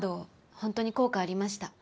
本当に効果ありました。